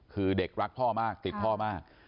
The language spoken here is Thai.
คือเด็กรักพ่อมากติดพ่อมาก